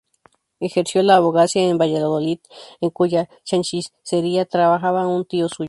Ejerció la abogacía en Valladolid, en cuya Chancillería trabajaba un tío suyo.